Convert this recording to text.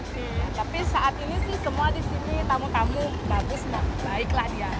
tapi saat ini sih semua di sini tamu tamu bagus baiklah dia